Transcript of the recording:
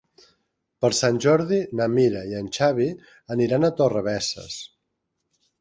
Per Sant Jordi na Mira i en Xavi aniran a Torrebesses.